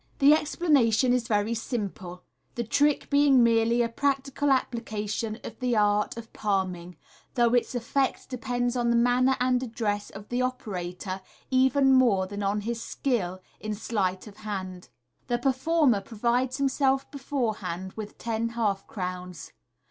The explanation is very simple, the trick being merely a practical application of the art of " palming," though its effect depends on the manner and address of the operator even more than on his skill in sleight of hand. The performer provides himself beforehand with ten half crowns.